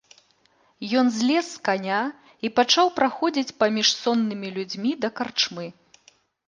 Ён злез з каня і пачаў праходзіць паміж соннымі людзьмі да карчмы.